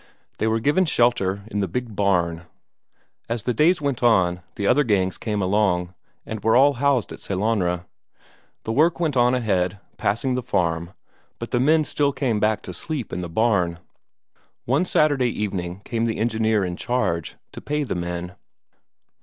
They were given shelter in the big barn. As the days went on, the other gangs came along, and all were housed at Sellanraa. The work went on ahead, passing the farm, but the men still came back to sleep in the barn. One Saturday evening came the engineer in charge, to pay the men.